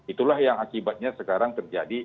itulah yang akibatnya sekarang terjadi